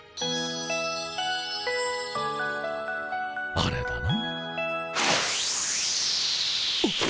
あれだな。